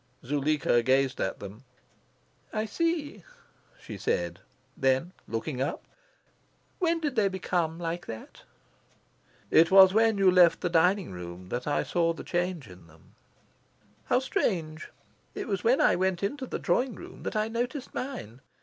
Zuleika gazed at them. "I see," she said; then, looking up, "When did they become like that?" "It was when you left the dining room that I saw the change in them." "How strange! It was when I went into the drawing room that I noticed mine.